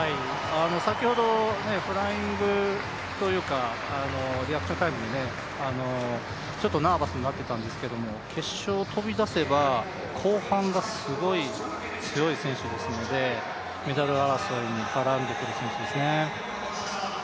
先ほどフライングというか、リアクションタイムでちょっとナーバスになっていたんですけれども決勝飛び出せば後半がすごい強い選手ですので、メダル争いに絡んでくる感じですね。